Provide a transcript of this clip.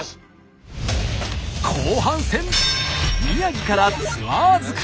後半戦宮城からツアー作り。